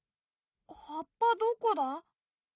はっぱどこだ？